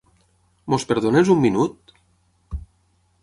Ens perdones un minut?